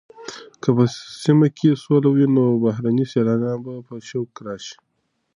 که په سیمه کې سوله وي نو بهرني سېلانیان به په شوق راشي.